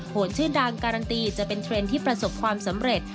ชื่อดังการันตีจะเป็นเทรนด์ที่ประสบความสำเร็จ